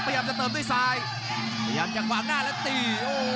พยายามจะเติมด้วยซ้ายพยายามจะขวางหน้าแล้วตีโอ้โห